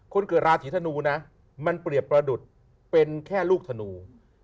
คนเกิดราศีธนูนะมันเปรียบประดุษเป็นแค่ลูกธนู